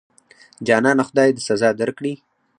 جانانه خدای دې سزا درکړي.